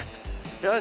よし！